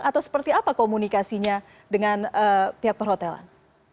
atau seperti apa komunikasinya dengan pihak perhotelan